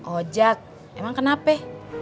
ojak emang kenapa